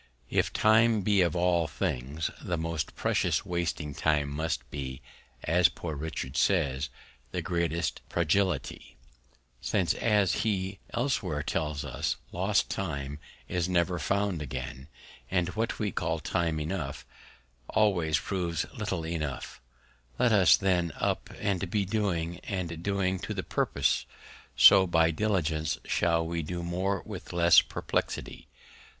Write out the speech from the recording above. If Time be of all Things the most precious, wasting Time must be, as Poor Richard says, the greatest Prodigality; since, as he elsewhere tells us, Lost Time is never found again; and what we call Time enough, always proves little enough: Let us then up and be doing, and doing to the Purpose; so by Diligence shall we do more with less Perplexity.